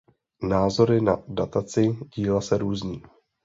Názory na dataci díla se různí.